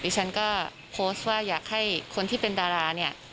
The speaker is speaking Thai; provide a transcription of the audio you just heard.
ฉันก็โพสต์ว่าอยากให้คนที่เป็นดาราเนี่ย